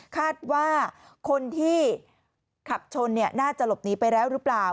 คาดว่าคนที่ขับชนน่าจะหลบหนีไปแล้วหรือเปล่า